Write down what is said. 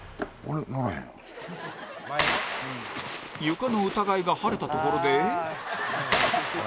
床の疑いが晴れたところで